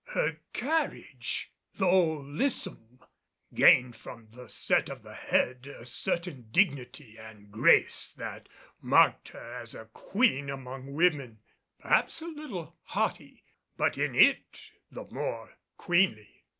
Her carriage, though lissome, gained from the set of the head a certain dignity and grace that marked her as a queen among women perhaps a little haughty but in it the more queenly.